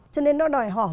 cho nên nó đòi hỏi